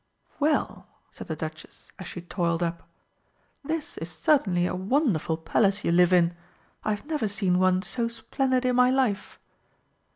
"Well," said the Duchess, as she toiled up, "this is certainly a wonderful Palace you live in I have never seen one so splendid in my life!"